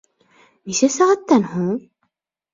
Нисә сәғәттән һуң?